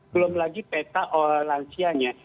belum lagi peta olansianya